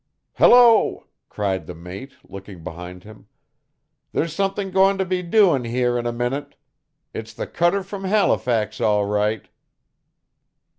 "Hello!" cried the mate, looking behind him. "There's something going to be doin' here in a minute. It's the cutter from Halifax, all right."